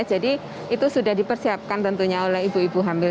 jadi itu sudah dipersiapkan tentunya oleh ibu ibu hamil